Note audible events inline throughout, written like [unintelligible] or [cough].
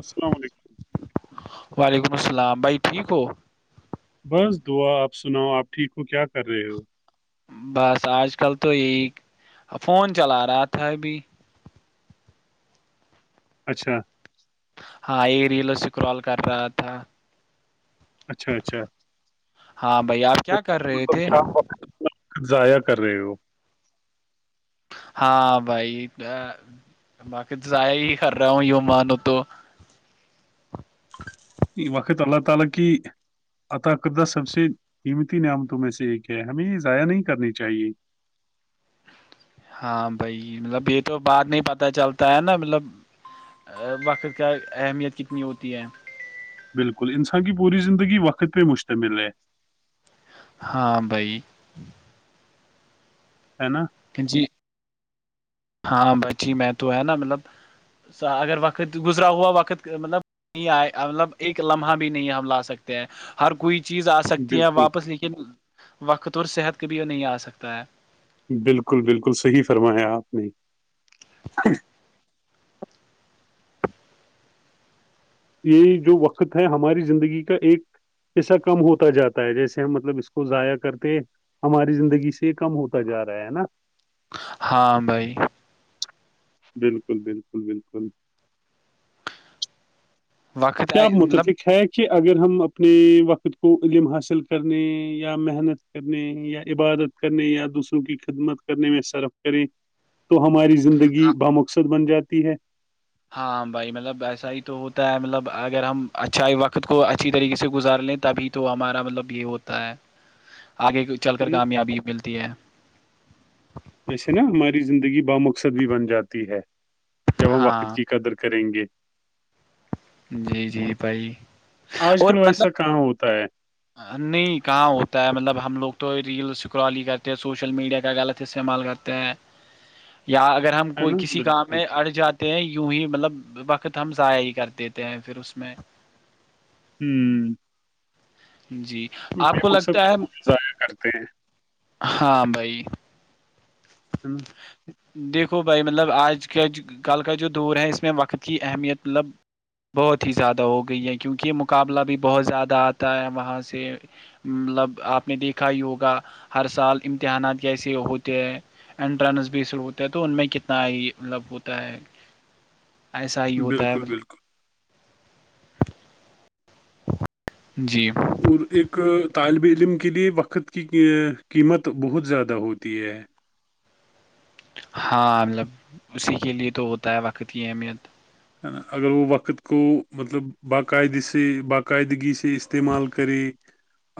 السلام علیکم وعلیکم السلام بھائی ٹھیک ہو بس دعا آپ سناؤ آپ ٹھیک ہو کیا کر رہے ہو بس آج کل تو یہی فون چلا رہا تھا ابھی اچھا ہاں یہ ریلز سکرول کررہا تھا اچھا اچھا ہاں بھائی آپ تو کیا کر رہے مطلب تھے کیا آپ ضائع کر رہے ہو [inaudible] ہاں بھائی باقی تو ضائع ہی کر رہا ہوں یوں مانو تو وقت اللہ تعالی کی عتاقدہ سب سے قیمتی نعام تو میں سے ایک ہے ہمیں یہ ضائع نہیں کرنی چاہیے ہاں بھائی مطلب یہ تو بعد نہیں پتا چلتا ہے نا مطلب وقت کا اہمیت کتنی ہوتی ہے [inaudible] بالکل انسان کی پوری زندگی وقت پہ مشتمل ہے ہاں بھائی ہے نا کہ جی [inaudible] ہاں بچی میں تو ہے نا مطلب اگر وقت گزرا ہوا وقت مطلب نہیں آئے مطلب ایک لمحہ بھی نہیں ہم لا سکتے ہیں ہر کوئی چیز آ سکتی ہے بالکل واپس لیکن وقت اور صحت ک بھیھی نہیں آ سکتا ہے بالکل بالکل صحیح فرمایا آپ نے یہ جو وقت ہے ہماری زندگی کا ایک پیسہ کم ہوتا جاتا ہے جیسے ہم مطلب اس کو ضائع کرتے ہماری زندگی سے کم ہوتا جا رہا ہے نا ہاں بھائی بالکل بالکل بالکل وقت کیا مطلب متفق ہے کہ اگر ہم اپنے وقت کو علم حاصل کرنے یا محنت کرنے یا عبادت کرنے یا دوسروں کی خدمت کرنے میں صرف کریں تو ہماری زندگی بہ مقصد بن جاتی ہے ہاں بھائی مطلب ایسا ہی تو ہوتا ہے مطلب اگر ہم اچھائی وقت کو اچھی طریقے سے گزار لیں تبھی تو ہمارا مطلب یہ ہوتا ہے آگے چل ہے کر نا کامیابی ملتی ہے ایسے نا ہماری زندگی بہ مقصد بھی بن جاتی ہے جب ہم وقت ہاں کی قدر کریں گے جی جی بھائی آج اور کل مطلب ویسا کہاں ہوتا ہے نہیں کہاں ہوتا ہے مطلب ہم لوگ تو ریلس کرال ہی کرتے ہیں سوشل میڈیا کا غلط استعمال کرتے یا اگر ہم ہے کوئی نا کسی کام بالکل میں اڑ جاتے ہیں یوں ہی مطلب وقت ہم ضائع ہی کرتے تھے ہیں پھر اس میں ہوں جی آپ بے کو مقصد لگتا ہے کاموں میں ضائع کرتے ہاں بھائی ہین [inaudible] دیکھو بھائی مطلب آج کا کل کا جو دور ہے اس میں وقت کی اہمیت مطلب بہت ہی زیادہ ہو گئی ہے کیونکہ یہ مقابلہ بھی بہت زیادہ آتا ہے وہاں سے مطلب آپ نے دیکھا یوگا ہر سال امتحانات کیسے ہوتے ہیں انٹرنس بھیس ہوتے ہے تو ان میں کتنا مطلب ہوتا ہے ایسا ہی ہوتا ہے بالکل مطلب بالکل جی [inaudible] اور ایک طالب علم کے لیے وقت کی قیمت بہت زیادہ ہوتی ہے ہاں مطلب اسی کے لیے تو ہوتا ہے وقت کی اہمیت ہے نا اگر وہ وقت کو مطلب باقاعد سے باقاعدگی سے استعمال کرے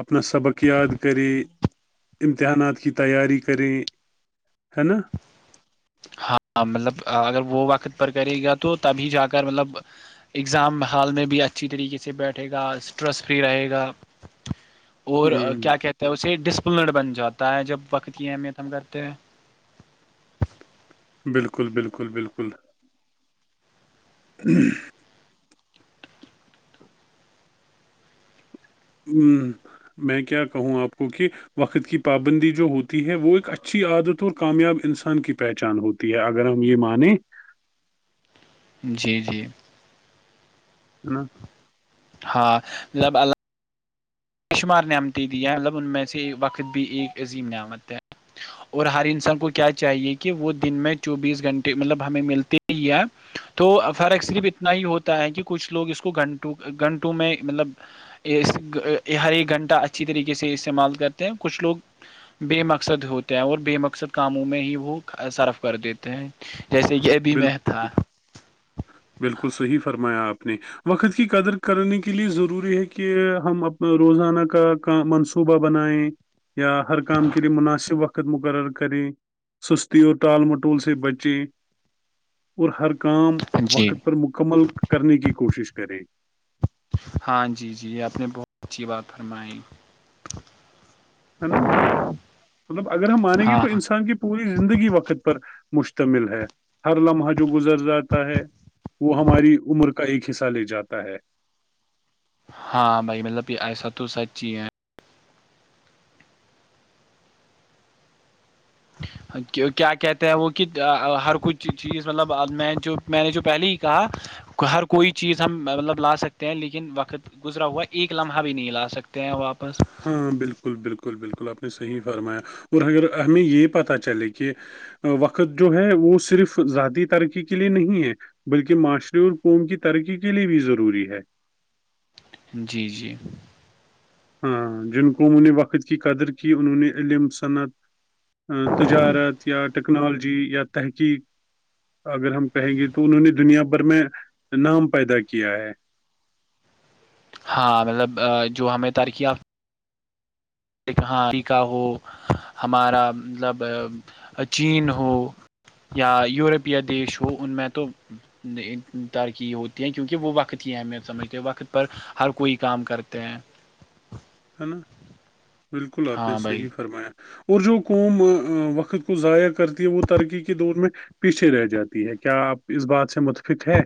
اپنا سبق یاد کریں امتحانات کی تیاری کریں ہے نا ہاں مطلب اگر وہ وقت پر کرے گا تو تبھی جا کر مطلب اگزام حال میں بھی اچھی طریقے سے بیٹھے گا اسٹریس فری رہے گا [inaudible] اور کیا کہتے ہیں اسے ڈسپلنڈ بن جاتا ہے جب وقت کی اہمیت ہم کرتے ہیں بالکل بالکل بالکل ہوں [inaudible] میں کیا کہوں آپ کو کہ وقت کی پابندی جو ہوتی ہے وہ ایک اچھی عادت اور کامیاب انسان کی پہچان ہوتی تو یہ اگر ہم یہ مانیں جی جی ہاں [inaudible] ہاں مطلب اللہ [unintelligible] بے شمار نعمتیں دیا ہیں مطلب ان میں سے وقت بھی ایک عظیم نعمت ہے اور ہر انسان کو کیا چاہیے کہ وہ دن میں چوبیس گھنٹے مطلب ہمیں ملتے ہی تو فرق صرف اتنا ہی ہوتا ہے کہ کچھ لوگ اس کو گھنٹوں گھنٹوں میں مطلب ہر ایک گھنٹہ اچھی طریقے سے استعمال کرتے ہیں کچھ لوگ بے مقصد ہوتے ہیں اور بے مقصد کاموں میں ہی وہ صرف کر دیتے ہیں جیسے یہ [unintelligible] بالکل بالکل صحیح فرمایا آپ نے [unintelligible] وقت کی قدر کرنے کے لیے ضروری ہے کہ ہم اپنا روزانہ کا کا منصوبہ بنائیں یا ہر کام کے لیے مناسب وقت حقت مقرر کریں سستی اور ٹال مٹول سے بچیں اور ہر کام جی وقت پر مکمل کرنے کی کوشش کرے ہاں جی جی آپ نے بہت اچھی بات فرمائی [unintelligible] ہے نا مطلب اگر ہم مانیں گے ہاں ہاں تو انسان کی پوری زندگی وقت پر مشتمل ہے ہر لمحہ جو گزر جاتا ہے وہ ہماری عمر کا ایک حصہ لے جاتا ہے ہاں بھائی مطلب کہ ایسا تو سچ ہی ہے کیا کہتے ہیں وہ کہ ہر کوئی چیز مطلب میں جو میں نے جو پہلے ہی کہا ہر کوئی چیز ہم مطلب لا سکتے ہیں لیکن وقت گزرا ہوا ایک لمحہ بھی نہیں لا سکتے ہیں واپس ہاں بالکل بالکل بالکل آپ نے صحیح فرمایا اور اگر ہمیں یہ پتہ چلے کہ وقت جو ہے وہ صرف ذاتی ترقی کے لیے نہیں ہے بلکہ معاشرے ال قوم کی ترقی کے لیے بھی ضروری ہے جی جی ہاں جن کو ان نے وقت کی قدر کی انہوں نے علم صنعت تجارت یا ٹیکنالوجی یا تحقیق اگر ہم کہیں گے تو انہوں نے دنیا بھر میں نام پیدا کیا ہے ہاں مطلب جو ہمیں ترکییاف ہاں امریکہ ہو ہمارا مطلب چین ہو یا یورپیہ دیش ہو ان میں تو ترکی ہوتی ہے کیونکہ وہ وقت ہی ہمیں سمجھتے وقت پر ہر کوئی کام کرتے ہیں ہے نا بالکل آپ نے ہاں بھائی صحیح فرمایا اور جو قوم وقت کو ضائع کرتی ہے وہ ترقی کے دور میں پیچھے رہ جاتی ہے کیا آپ اس بات سے متفق ہے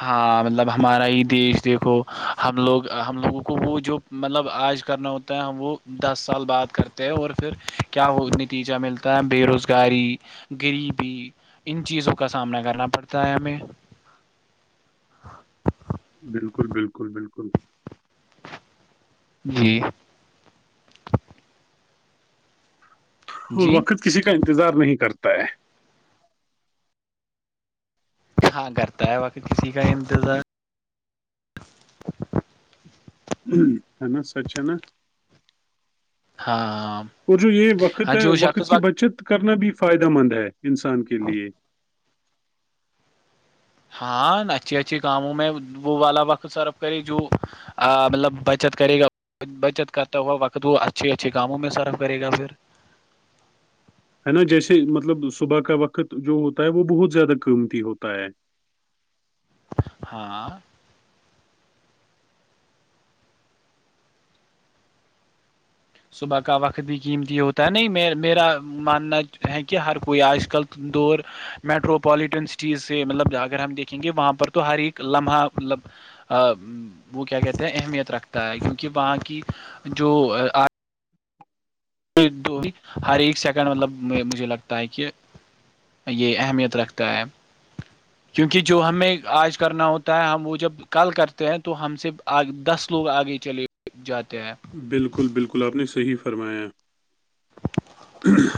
ہاں مطلب ہمارا ہی دیش دیکھو ہم لوگ ہم لوگوں کو وہ جو مطلب آج کرنا ہوتا ہے ہم وہ دس سال بعد کرتے ہیں اور پھر کیا وہ نتیجہ ملتا بے روزگاری غریبی ان چیزوں کا سامنا کرنا پڑتا ہے ہمیں [inaudible] بالکل بالکل بالکل جی وہ جی وقت کسی کا انتظار نہیں کرتا ہے ہاں کرتا ہے باقی کسی کا انتظار ہے نا سچ ہے نا ہاں اور جو یہ وقت ہاں ہے جو وقت شخص کی بچت کرنا بھی فائدہ مند ہے انسان کے لیے ہاں اچھیے اچھھی کاموں میں وہ والا وقت صرف کرے جو آ مطلب بچت کرے گا بچت کرتا ہوا وقت وہ اچھے اچھے کاموں میں صرف کرے گا پھر ہے نا جیسے مطلب صبح کا وقت جو ہوتا ہے وہ بہت زیادہ قیمتی ہوتا ہے ہاں صبح کا وقت بھی قیمتی ہوتا ہے نہیں میرا ماننا ہے کہ ہر کوئی آج کل دور میٹروپولیٹن سٹیز سے مطلب اگر ہم دیکھیں گے وہاں پر تو ہر ایک لمحہ مطلب وہ کیا کہتے ہیں اہمیت رکھتا ہے کیونکہ وہاں کی جو ہر ایک سیکنڈ مطلب مجھے لگتا ہے کہ یہ اہمیت رکھتا ہے کیونکہ جو ہمیں آج کرنا ہوتا ہے ہم وہ جب کل کرتے ہیں تو ہم سے آ دس لوگ آگے چلے جاتے ہیں بالکل بالکل آپ نے صحیح فرمایا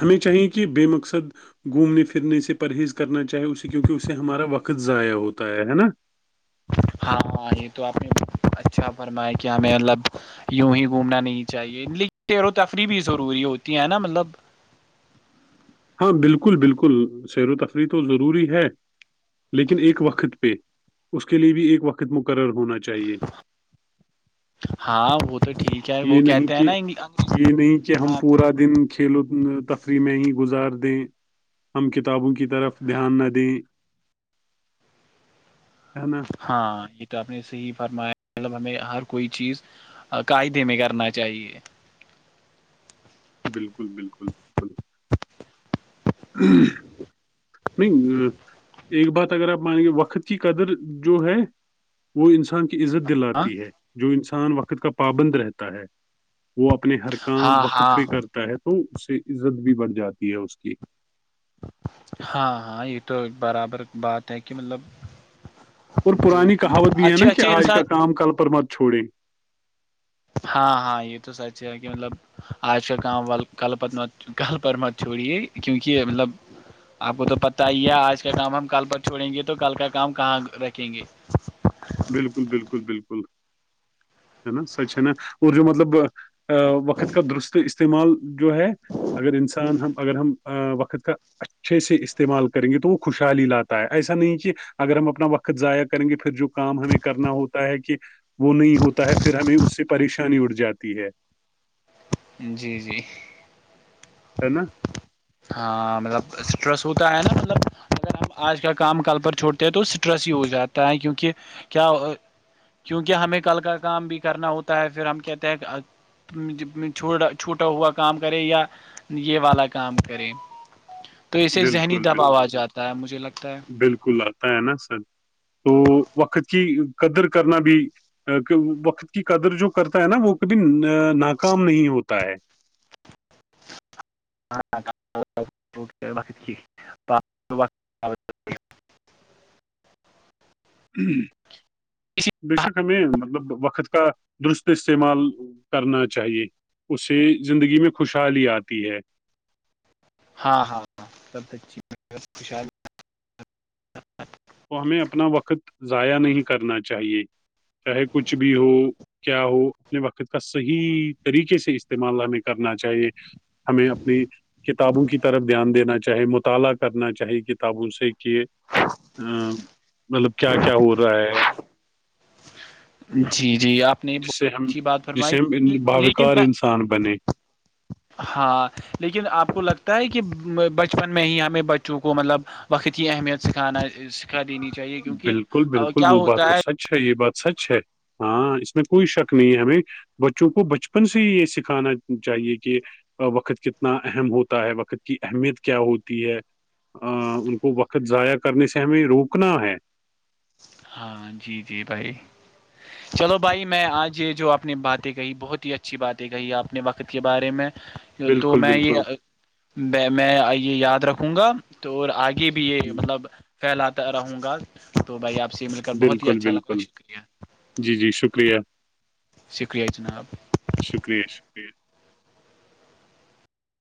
ہمیں چاہییںے کہ بے مقصد گھومنے پھرنے سے پرہیز کرنا چاہے اسے کیونکہ اسے ہمارا وقت ضائع ہوتا ہے نا ہاں ہاں یہ تو آپ نے اچھا فرمایا کیا ہمیں مطلب یوں ہی گھومنا نہیں چاہیے لیکن تیر و تفریح بھی ضروری ہوتی ہے نا مطلب ہاں بالکل بالکل سیر و تفریح تو ضروری ہے لیکن ایک وقت پہ اس کے لیے بھی ایک وقت مقرر ہونا چاہیئے ہاں وہ تو ٹھیک ہے وہ یہ کہتے نہیں ہیں کہ نا انگ یہ نہیں کہ ہم پورا دن کھیلوں تفریح میں ہی گزار دیں ہم کتابوں کی طرف دھیان نہ دیں ہے نا ہاں یہ تو آپ نے صحی فرمایا مطلب ہمیں ہر کوئی چیز قاعدے میں کرنا چاہیے بالکل بالکل [inaudible] نہیں ایک بات اگر آپ مانیں گے وقت کی قدر جو ہے وہ انسان کی عزت ہاں دلاتی ہے جو انسان وقت کا پابند رہتا ہے وہ اپنے ہر کام ہاں وقت ہاں پہ کرتا ہے تو اس سے عزت بھی بڑھ جاتی ہے اس کی ہاں ہاں یہ تو برابر بات ہے کہ مطلب اور جو پرانی کہاوت بھی ہے اچھے نا کہ اچھے آج انسان کا کام کل پر مت چھوڑے ہاں ہاں یہ تو سچ ہے کہ مطلب آج کا کام وال کل پر مت کل پر مت چھوڑیے کیونکہ مطلب آپ کو تو پتا ہی ہے آج کا کام ہم کل پر چھوڑیں گے تو کل کا کام کہاں رکھیں گے بالکل بالکل بالکل ہے نا سچ ہے نا اور جو مطلب وقت کا درست استعمال جو ہے اگر انسان ہم اگر ہم وقت کا اچھے سے استعمال کریں گے تو وہ خوشحالی لاتا ہے ایسا نہیں کہ اگر ہم اپنا وقت ضائع کریں گے پھر جو کام ہمیں کرنا ہوتا ہے کہ وہ نہیں ہوتا ہے پھر ہمیں اس سے پریشانی اٹھ جاتی ہے جی جی ہے نا ہاں مطلب اسٹریس ہوتا ہے نا مطلب ہم آج کا کام کل پر چھوڑتے ہیں تو اسٹریس ہی ہو جاتا ہے کیونکہ کیا کیونکہ ہمیں کل کا کام بھی کرنا ہوتا ہے پھر ہم کہتے ہیں چھوڑا چھوٹا ہوا کام کرے یا یہ والا کام کریں تو اسے ذہنی بالکل دباؤ بالکل آ جاتا ہے مجھے لگتا ہے بالکل ال ہے نا سر تو وقت کی قدر کرنا بھی کہ وقت کی قدر جو کرتا ہے نا وہ کبھی ناکام نہیں ہوتا ہے اں وقت ٹ بے شک ہمیں مطلب وقت کا درست استعمال کرنا چاہیے اس سے زندگی میں خوشحالی آتی ہے ہاں ہاں ہاں سب اچ خوشحال تو ہمیں اپنا وقت ضائع نہیں کرنا چاہیے چاہے کچھ بھی ہو کیا ہو اپنے وقت کا صحیح طریقے سے استعمال ہمیں کرنا چاہیے ہمیں اپنی کتابوں کی طرف دھیان دینا چاہے مطالعہ کرنا چاہے کتابوں سے کہ ا مطلب کیا کیا ہو رہا ہے جی جی آپ نے جس سے بہت ہم اچھی بات فرمائی جسے ہم ان- لیکن باوقار میں انسان بنے ہاں لیکن آپ کو لگتا ہے کہ بچپن میں ہی ہمیں بچوں کو مطلب وقت کی اہمیت سکھانا سکھا دینی چاہیے کیونکہ کیا ہوتا ہے اچھا یہ بات سچ ہے ہاں اس میں کوئی شک نہیں ہے ہمیں بچوں کو بچپن سے ہی یہ سکھانا چاہیے کہ وقت کتنا اہم ہوتا ہے وقت کی اہمیت کیا ہوتی ہے ان کو وقت ضائع کرنے سے ہمیں روکنا ہے ہاں جی جی بھائی چلو بھائی میں آج یہ جو آپ نے باتیں کہی بہت ہی اچھی باتیں کہی آپ نے وقت وقت کے بارے میں تو بالکل میں بالکل یہ میں یہ یاد رکھوں گا تو آگے کہ بھی یہ مطلب پھیلاتا رہوں گا تو بھائی آپ سے مل کر بہت ہی بالکل اچھا لگےا بالکل شکریہ جی جی شکریہ شکریہ جناب شکریہ شکریہ